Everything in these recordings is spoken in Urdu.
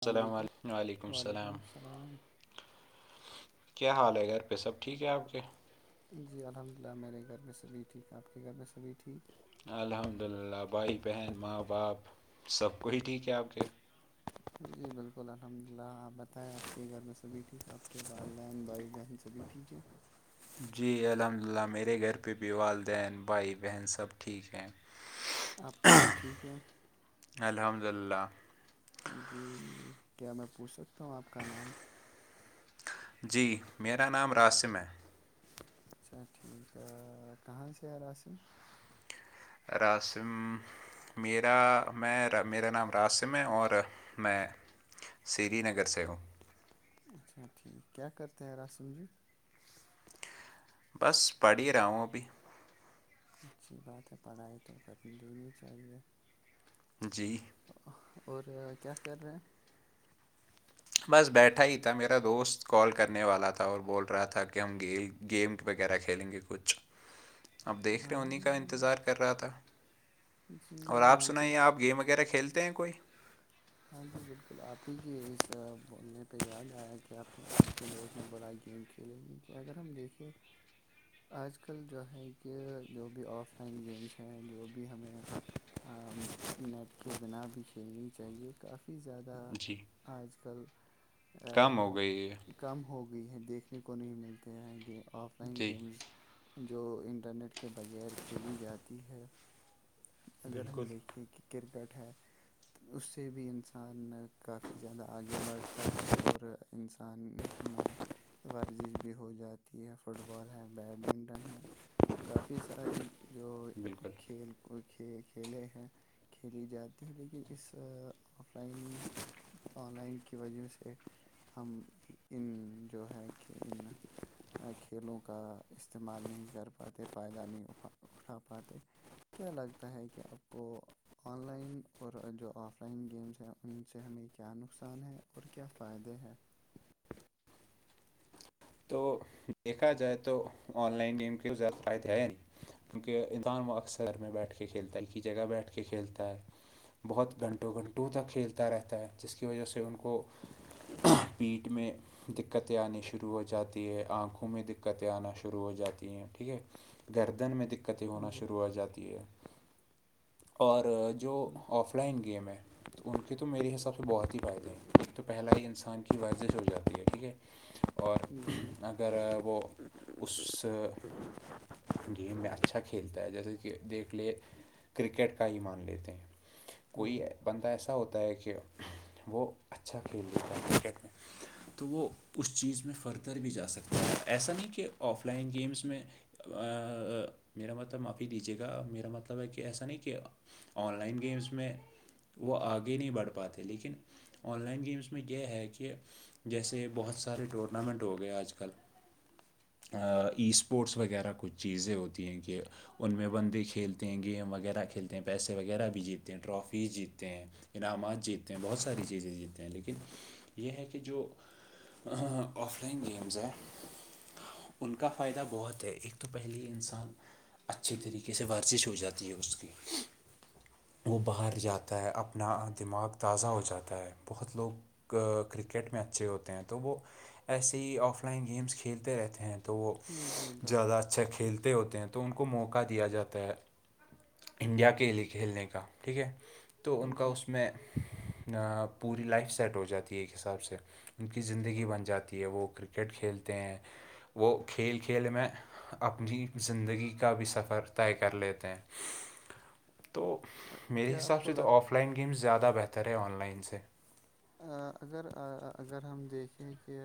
السلام عل علیکم السلام کیا حال ہے گھر پہ سب ٹھیک ہے آپ کے جی الحمد للہ میرے گھر میں سبھی ٹھیک آپ کے گھر میں سبھی ٹھیک الحمد للہ بھائی بہن ماں باپ سب کوئی ٹھیک ہے آپ کے جی بالکل الحمد للہ آپ بتائیں آپ کے گھر میں سبھی ٹھیک آپ کے والدین بھائی بہن توبھی ٹھیک ہے جی الحمد للہ میرے گھر پہ بھی والدین بھائی بہن سب ٹھیک ہے آپ خود ٹھیک ہیں الحمد للہ جی کیا میں پوچھ سکتا ہوں آپ کا نام جی میرا نام راسم ہے اچھا ٹھیک کہاںاں سےییر آل راسم میرا میں میرا نام راسم ہے اور میں سری نگر سے ہو اچھا ٹھیک کیا کرتے ہیں راسم جی بس پڑھھی رہاوں ا بھی اچھی بات ہے پڑھائی تو کر لینی چاہیے جی اور کیا کر رہے ہیں بس بیٹھا ہی تھا میرا دوست کال کرنے والا تھا اور بول رہا تھا کہ ہم گی گیم وغیرہ کھیلیں گے کچھ اب دیکھ رہے ہاں انہیں کا انتظار کر رہا تھا جی اور آپ مجھے سنائیے آپ گیم وغیرہ کھیلتے ہیں کوئی ہاں جی بالکل آپ ہی کی اس بولنے پہ یاد آیا کہ آپ نے آپ کے دوست نے بلاائی گیم کی چلے گی کہ اگر ہم دیکھیں آج کل جو ہے کہ جو بھی آف لائن گیمس ہیں جو بھی ہمیں نیٹ کے بنا بھی کھیلنی چاہیے کافی زیادہ جی آج کل کم ہو گئی ہے کم ہو گئی ہے دیکھنے کو نہیں ملتے ہیں آف لائن جی گیمز جو انٹرنیٹ کے بغیر کھیلی جاتی ہے اگر ہم دیکھے کہ کرکٹ ہے تو اس سے بھی انسان کافی زیادہ آگے بڑھتا ہے اور انسان میں ورزش بھی ہو جاتی ہے فٹ بال ہے بیڈمنٹن ہے کافی ساری جو بالکل کھیل کو کھی کھیلے ہیں کھیلی جاتی ہے لیکن اس آف لائن آن لائن کی وجہ سے ہم ان جو ہے کہ ان کھیلوں کا استعمال نہیں کر پاتے فائدہ نہیں اٹھا اٹھا پاتے کیا لگتا ہے کہ آپ کو آن لائن اور جو آف آن لائن گیمس ہیں ان سے ہمیں کیا نقصان ہے اور کیا فائدے ہیں تو دیکھا جائے تو آن لائن گیم کے زیادہ فائدے ہے کیونکہ ایندان وہ اکثر میں بیٹھ کے کھیلتا ہے ایک ہی جگہ بیٹھ کے کھیلتا ہے بہت گھنٹوں گھنٹوں تک کھیلتا رہتا ہے جس کی وجہ سے ان کو پیٹھ میں دتیں آنی شروع ہو جاتی آ میں دقتیں آنا شروع ہو جاتی ہیں ٹھیک ہے گردن میں دقت کتیں جی ہونا شروع ہو جاتی ہے اور جو آف لائن گیم ہے تو ان کے تو میرے حساب سے بہت ہی فائدے ہیں ایک تو پہلا ہی انسان کی ورزش ہو جاتی ہے ٹھیک ہے اور جی اگر وہ اس گیم میں اچھا کھیلتا ہے جیسے دیکھ لے کرکٹ کا ہی مان لیتے ہیں ہوں کوئی ای بندہ ایسا ہوتا ہے کہ وہ اچھا کھیلتا ہے کرکٹ میں تو وہ اس چیز میں فردر بھی جا سکتا ہیں ایسا نہیں کہ آف لائن گیمس میں میرا مطلب معافی دیجیے گا میرا مطلب ہے کہ کہ ایسا نہیں کہ آن لائن گیمس میں وہ آگے نہیں بڑھ پاتے لیکن آن لائن گیمس میں یہ ہے کہ جیسے بہت سارے ٹورنامنٹ ہو گئے آج کل ای اسپورٹس وغیرہ کچھ چیزیں ہوتی ہیں کہ ان میں بندے کھیلتے ہیں گیم وغیرہ کھیلتے ہیں پیسے وغیرہ بھی جیتتے ہیں ٹرافیز جیتتے ہیں انعامات جیتتے ہیں بہت ساری چیزیں جیتتے ہیں لیکن یہ ہے کہ جو آف لائن گیمز ہیں ان کا فائدہ بہت ہے ایک تو پہلے ہی انسان اچھے طریقے سے ورزش ہو جاتا ہے اس کی وہ باہر جاتا ہے اپنا دماغ تازہ ہو جاتا ہے بہت لوگ کرکٹ میں اچھے ہوتے ہیں تو وہ ایسے ہی آف لائن گیمس کھیلتے رہتے ہیں تو وہ جی بالکل زیادہ اچھا کھیلتے ہوتے ہیں تو ان کو موقع دیا جاتا ہے انڈیا کے لیے کھیلنے کا ٹھیک ہے تو ان کا جی اس میں پوری لائف سیٹ ہو جاتی ہے ایک حساب سے ان کی زندگی بن جاتی ہے وہ کرکٹ کھیلتے ہیں وہ کھیل کھیل میں اپنی زندگی کا بھی سفر طے کر لیتے ہیں تو میرے کیا آپ حساب کو سے تو لگ آف لائن گیمز زیادہ بہتر ہے آن لائن سے اگر اگر ہم دیکھیں کہ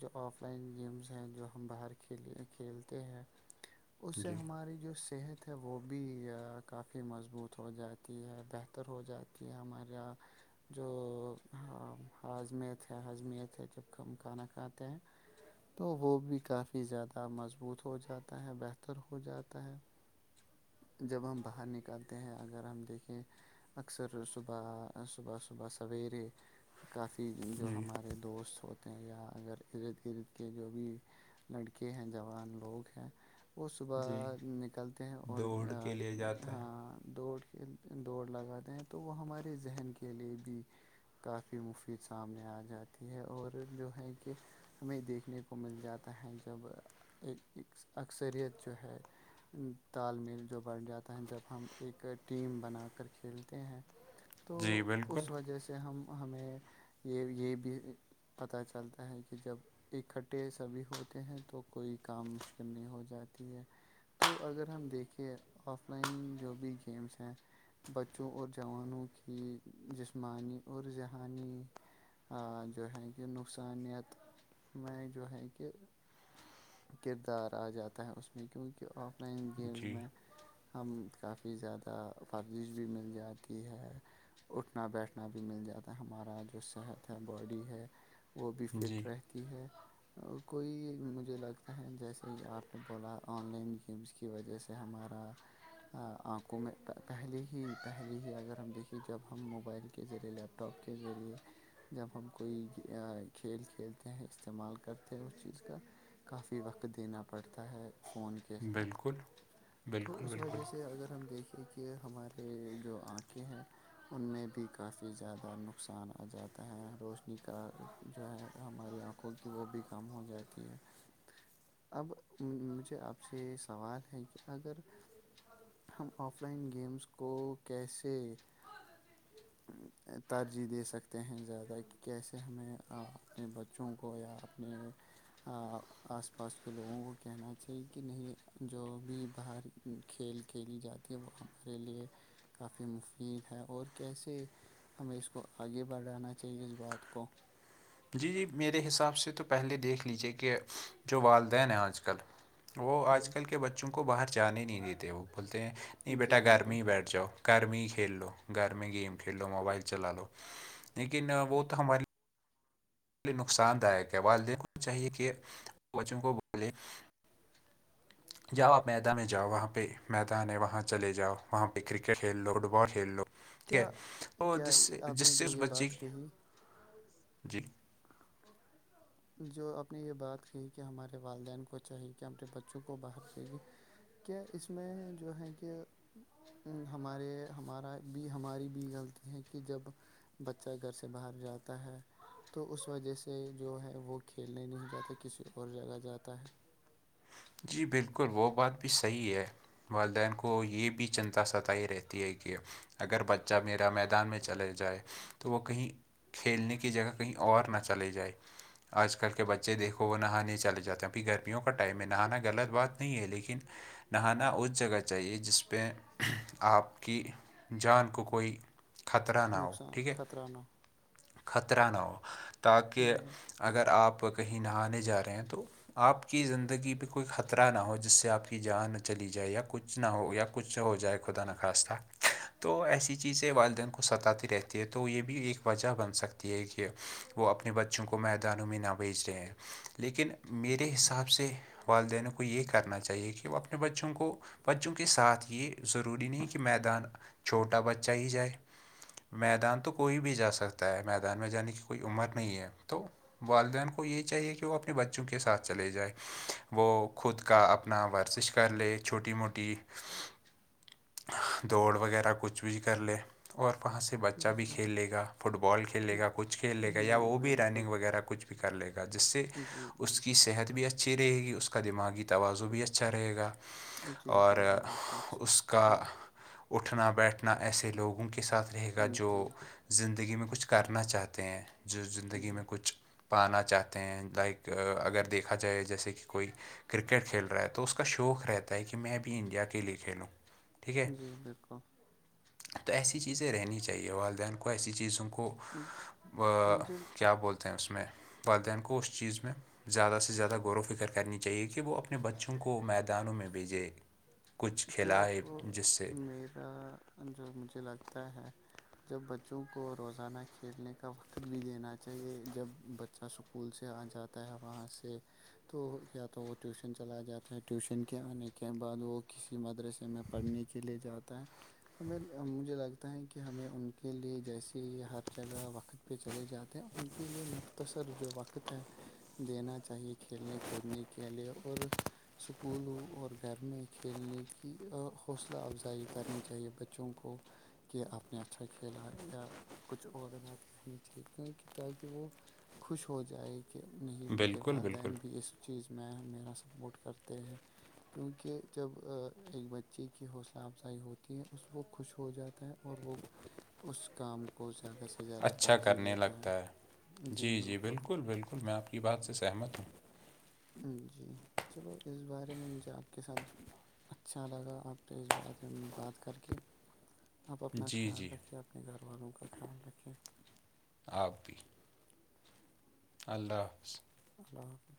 جو آف لائن گیمس ہیں جو ہم باہر کھیلی کھیلتے ہیں اس سے جی ہماری جو صحت تھے وہ بھی کافی مضبوط ہو جاتی ہے بہتر ہو جاتی ہے ہمارے یہاں جو ہاضمیت ہے ہاضمیت ہے جب ہم کھانا کھاتے ہیں تو وہ بھی کافی زیادہ مضبوط ہو جاتا ہے بہتر ہو جاتا ہے جب ہم باہر نکالتے ہیں اگر ہم دیکھیں اکثر صبح صبح صبح سویرے کافی جو جی ہمارے دوست ہوتے یا اگر ارد گرد کے جو بھی لڑکے ہیں جوان لوگ ہیں وہ جی صبح نکلتے ہیں اور دوڑ کے لیے جاتے ہیں ہاں دوڑ کے دوڑ لگاتے ہیں تو وہ ہمارے ذہن کے لیے بھی کافی مفید سامنے آ جاتی ہے اور جو ہے کہ ہمیں دیکھنے کو مل جاتا ہے جب ایک اکثریت جو ہے تال میل جو بڑھ جاتا ہے جب ہم ایک ٹیم بنا کر کھیلتے ہیں تو جی بالکل اس وجہ سے ہم ہمیں یہ یہ بھی پتہ چلتا ہے کہ جب اکٹھے سبھی ہوتے ہیں تو کوئی کام مشکل نہیں ہو جاتی ہے تو اگر اگر ہم دیکھیے آف لائن جو بھی گیمس ہیں بچوں اور جوانوں کی جسمانی اور ذہنی جو ہے کہ نقصانیت میں جو ہے کہ کردار آ جاتا ہے اس میں کیونکہ آف لائن گیم جی میں ہم کافی زیادہ ورزش بھی مل جاتی ہے اٹھنا بیٹھنا بھی مل جاتا ہے ہمارا جو صحت ہے باڈی ہے وہ بھی جی فٹ رہتی ہے کوئی مجھے لگتا جیسے ہی آپ نے بولا آن لائن گیمس کی وجہ سے ہمارا آنکھوں میں پہلے ہی پہلے ہی اگر ہم دیکھے جب ہم موبائل کے ذریعے لیپ ٹاپ کے ذریعے جب ہم کوئی کھیل کھیلتے ہیں استعمال کرتے ہیں اس چیز کا کافی وقت دینا پڑتا ہے فون کے ساتھ بالکل تو بالکل اس بالکل وجہ سے اگر ہم دیکھیں کہ ہمارے جو آنکھیں ہیں ان میں بھی کافی زیادہ نقصان آ جاتا ہے روشنی کا جو ہے ہماری آنکھوں کی وہ بھی کم ہو جاتی ہے اب مجھے آپ سے یہ سوال ہے کہ اگر ہم آف لائن گیمز کو کیسے ترجیح دے سکتے ہیں زیادہ کہ کیسے ہمیں اپنے بچوں کو یاپ م آس پاس کے لوگوں کو کہنا چاہیے کہ نہیں جو بھی باہر کھیل کھیلی جاتی ہے وہ ہمارے لیے کافی مفید ہے اور کیسے ہمیں اس کو آگے بڑھانا چاہیے اس بات کو جی جی میرے حساب سے تو پہلے دیکھ لیجیے کہ جو والدین ہیں آج کل وہ آج ہوں کل کے بچوں کو باہر جانے ہی نہیں دیتے وہ بولتے ہیں نہیں جی بیٹا گھر بالکل میں ہی بیٹھ جاؤ گھر میں ہی کھیل لو گھر میں گیم کھیل لو موبائل چلا لو لیکن وہ تو ہماری نقصان داک اوال دیکھنا چاہیے کہ بچوں کو بولے جاؤ آپ میدان میں جاؤ وہاں پہ میدان ہے وہاں چلے جاؤ وہاں پہ کرکٹ کھیل لو فٹ بال کھیل لو ٹھیک ہے کیا اور کیا جس سے آپ جس نے سے جو اس یہ بچے بات کی کہی جی جو آپ نے یہ بات کہی کہ ہمارے والدین کو چاہی کہ اپنے بچوں کو باہر بھیجیں کیا اس میں جو ہیں کہ ہمارے ہمارا بھی ہماری بھی غلطی ہے کہ جب بچہ گھر سے باہر جاتا ہے تو اس وجہ سے جو ہے وہ کھیلنے نہیں جاتے کسی اور جگہ جاتا ہے جی بالکل وہ بات بھی صحیح ہے والدین کو یہ بھی چنتا ستائی رہتی ہے کہ اگر بچہ میرا میدان میں چلے جائے تو وہ کہیں کھیلنے کی جگہ کہیں اور نہ چلے جائے آج کل کے بچے دیکھو وہ نہانے چے جاتے ہیں کہ گرمیوں کا ٹائم ہے نہیں نہانا غلط بات نہیں ہے لیکن نہانا اس جگہ چاہیے جس پہ آپ کی جان کو کوئی خطرہ نہ ہو نقصان ٹھیک ہے خطرہ نہ ہو خطرہ نا ہو تاکہ جی بالکل اگر آپ کہیں نہانے جا رہے ہیں تو آپ کی زندگی کوئی خطرہ نہ ہو جس سے آپ کی جان چلی جائے یا کچھ نہ ہو یا کچھ ہو جائے خدا نخواستہ تو ایسی چیزیں والدین کو ستاتی رہتی ہے تو یہ بھی ایک وجہ بن سکتی ہے کہ وہ اپنے بچوں کو میدانوں میں نہ بھیج رہے ہیں لیکن میرے حساب سے والدین کو یہ کرنا چاہیے کہ وہ اپنے بچوں کو بچوں کے ساتھ یہ ضروری نہیں ہے کہ میدان چھوٹا بچہ ہی جائے میدان تو کوئی بھی جا سکتا ہے میدان میں جانے کی کوئی عمر نہیں ہے تو والدین کو یہی چاہیے کہ وہ اپنے بچوں کے ساتھ چلے جائے وہ خود کا اپنا ورزش کر لے چھوٹی موٹی دوڑ وغیرہ کچھ بھی کر لے اور پہ سے بچہ بھی جی کھیلے گا فٹ بال کھیلے گا کچھ کھیلے گا یا جی وہ بھی بالکل رننگ وغیرہ کچھ کر لے گا جس سے جی اس کی بالکل صحت بھی اچھی اچھی رہے گی اس کا دماغی تواازع بھی اچھا رہے گا جی اور بالکل آپ نے اچھی بات کا کی اٹھنا بیٹھنا ایسے لوگوں کے ساتھ رہے گا جو جی جی زندگی میں کچھ کرنا چاہتے ہیں جو زندگی میں کچھ پانا چاہتے ہیں لائک اگر دیکھا جائے جیسے کہ کوئی کرکٹ کھیل رہا ہے تو اس کا شوق رہتا ہے کہ میں بھی انڈیا کے لیے کھیلوں ٹھیک ہے جی بالکل تو ایسی چیزیں رہنی چاہیے والدین کو ایسی چیزوں کو مجھے کیا بولتے ہیں اس میں والدین کو اس چیز میں زیادہ سے زیادہ غور و فکر کر کرنی چاہیے کہ وہ اپنے بچوں کو میدانوں میں بھیجے کچھ کیا آپ کھلائے کو جس سے میرا جو مجھے لگتا ہے جب بچوں کو روزانہ کھیلنے کا وقت بھی دینا چاہیے جب بچہ اسکول سے آ جاتا ہے وہاں سے تو یا تو وہ ٹیوشن چلا جاتا ہے ٹیوشن کے آنے کے بعد وہ کسی مدرسے میں پڑھنے کے لیے جاتا ہے ہمیں مجھے لگتا ہے کہ ہمیں ان کے لیے جیسے ہی ہر جگہ وقت پہ چلے جاتے ہیں ان کے لیے مختصر جو وقت ہے دینا چاہیے کھیلنے کودنے کے لیے اور اسکولوں اور گھر میں کھیلنے کی حوصلہ افزائی کرنی چاہیے بچوں کو کہ آپ نے اچھا کھیلا یا کچھ اور بات کہنی چاہیے کیونکہ تاکہ وہ خوش ہو جاے کہ نہیں میرے بالکل بالکل والدین بھی اس چیز میں میرا سپورٹ کرتے ہیں کیونکہ جب ایک بچے کی حوصلہ افزائی ہوتی ہے اس وہ خوش ہو جاتا ہے اور وہ اس کام کو زیادہ سے زیادہ اچھا ترجیح کرنے دیتا لگتا ہے جی جی بالکل بالکل میں آپ کی بات سے سہمت ہوں جی چلو اس بارے میں مجھے آپ کے ساتھ اچھا لگا آپ اس بارے میں بات کر کے آپ اپنا جی خیال جی رکھیے اپنے گھر والوں کا خیال رکھیں آپد اللہ حافظ اللہ حافظ